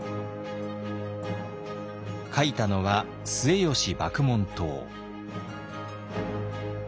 書いたのは末吉麦門冬。